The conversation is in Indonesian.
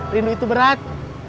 rindu itu berat